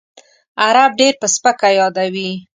عرب ډېر په سپکه یادوي.